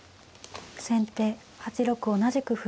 先手８六同じく歩。